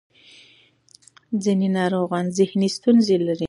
ځینې ناروغان ذهني ستونزې لري.